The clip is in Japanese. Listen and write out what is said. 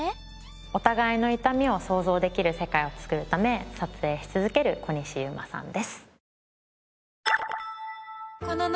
お互いの痛みを想像できる世界を作るため撮影し続ける小西遊馬さんです。